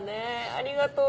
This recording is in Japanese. ありがとう。